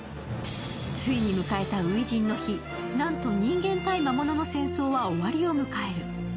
ついに迎えた初陣の日、なんと、人間対魔物の戦争は終わりを迎える。